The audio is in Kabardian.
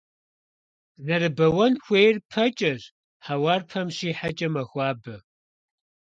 Зэрыбэуэн хуейр пэкӀэщ, хьэуар пэм щихьэкӀэ мэхуабэ.